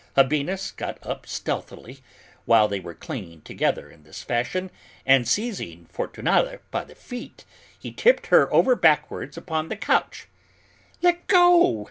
Habinnas got up stealthily, while they were clinging together in this fashion and, seizing Fortunata by the feet, he tipped her over backwards upon the couch. "Let go!"